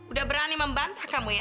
udah berani membantah kamu ya